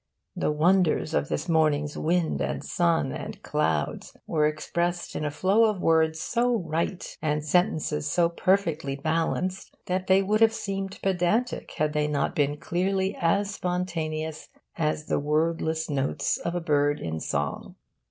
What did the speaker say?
The wonders of this morning's wind and sun and clouds were expressed in a flow of words so right and sentences so perfectly balanced that they would have seemed pedantic had they not been clearly as spontaneous as the wordless notes of a bird in song.